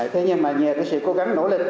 thế nhưng mà nhiều thí sinh cố gắng nỗ lực